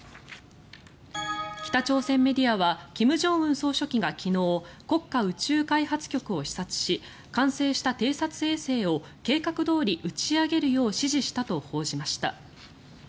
北朝鮮メディアは金正恩総書記が昨日国家宇宙開発局を視察し完成した偵察衛星を計画どおり打ち上げるよう指示したと報じました。